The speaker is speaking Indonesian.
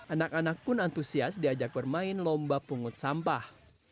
anak anak pun antusias diajak bermain lomba pungut sampah